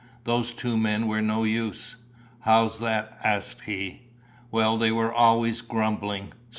Those two men were no use." "How's that?" asked he. "Well, they were always grumbling."